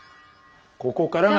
ここからが。